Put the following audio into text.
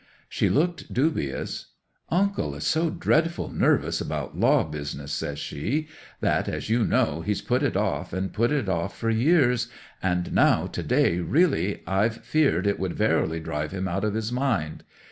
'She looked dubious. "Uncle is so dreadful nervous about law business," says she, "that, as you know, he's put it off and put it off for years; and now to day really I've feared it would verily drive him out of his mind.